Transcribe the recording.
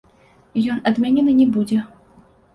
І ён адменены не будзе.